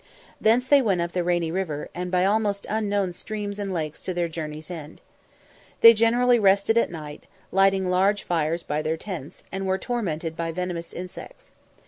Thence they went up the Rainy River, and by almost unknown streams and lakes to their journey's end. They generally rested at night, lighting large fires by their tents, and were tormented by venomous insects.